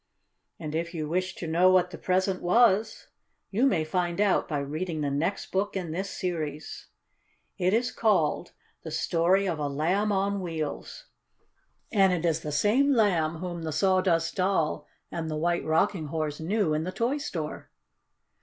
And if you wish to know what the present was you may find out by reading the next book in this series. It is called "The Story of a Lamb on Wheels," and it is the same Lamb whom the Sawdust Doll and the White Rocking Horse knew in the toy store.